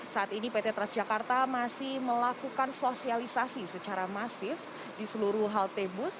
saat ini pt transjakarta masih melakukan sosialisasi secara masif di seluruh halte bus